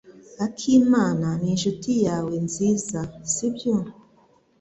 Akimana ni inshuti yawe nziza, sibyo?